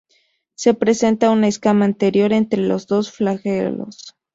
Se presenta una escama anterior entre los dos flagelos.